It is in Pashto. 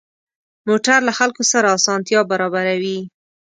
موټر له خلکو سره اسانتیا برابروي.